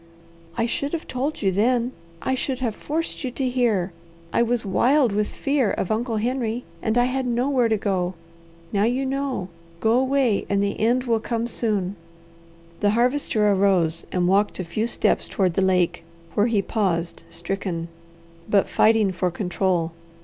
"I should have told you then! I should have forced you to hear! I was wild with fear of Uncle Henry, and I had nowhere to go. Now you know! Go away, and the end will come soon." The Harvester arose and walked a few steps toward the lake, where he paused stricken, but fighting for control.